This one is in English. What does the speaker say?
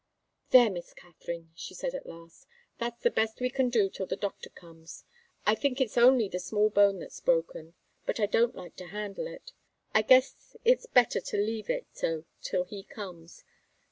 "There, Miss Katharine," she said, at last, "that's the best we can do till the doctor comes. I think it's only the small bone that's broken, but I don't like to handle it. I guess it's better to leave it so till he comes.